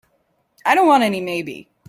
I don't want any maybe.